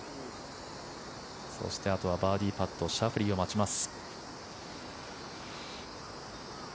そしてあとはバーディーパットシャフリーを待ちます。